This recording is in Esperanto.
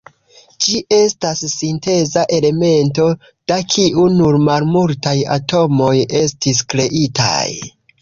Ĝi estas sinteza elemento, da kiu nur malmultaj atomoj estis kreitaj.